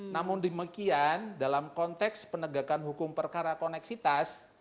namun demikian dalam konteks penegakan hukum perkara koneksitas